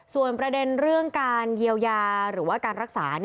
ส่วนประเด็นเรื่องการเยียวยาหรือว่าการรักษา